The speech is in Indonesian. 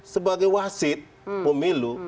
sebagai wasit pemilu